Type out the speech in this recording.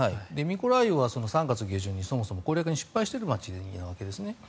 ミコライウは３月初旬に攻略に失敗している街なんですね。